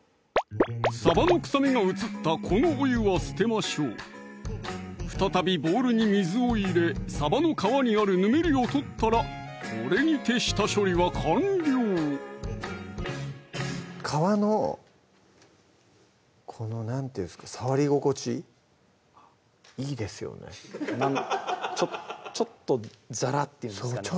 さばの臭みが移ったこのお湯は捨てましょう再びボウルに水を入れさばの皮にあるぬめりを取ったらこれにて下処理は完了皮のこのなんていうんですか触り心地いいですよねちょっとザラッていうんですかね